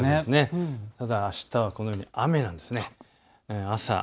あしたはこのように雨なんです。